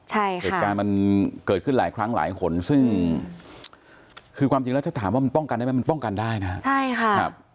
เหตุการณ์มันเกิดขึ้นหลายครั้งหลายคนซึ่งคือความจริงแล้วถ้าถามว่ามันป้องกันได้ไหมมันป้องกันได้นะครับใช่ค่ะครับ